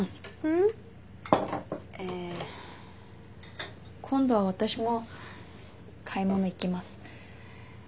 ん？え今度は私も買い物行きます。